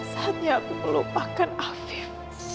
saatnya aku melupakan afif